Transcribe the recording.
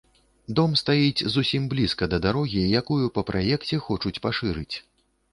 Дом стаіць зусім блізка да дарогі, якую па праекце хочуць пашырыць.